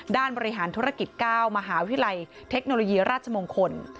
บริหารธุรกิจ๙มหาวิทยาลัยเทคโนโลยีราชมงคล